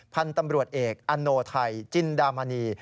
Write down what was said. พันธุ์ตำรวจเอกอโนไทยจินดามณี